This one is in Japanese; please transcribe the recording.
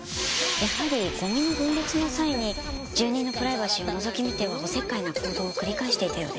やはりゴミの分別の際に住人のプライバシーをのぞき見てはお節介な行動を繰り返していたようです。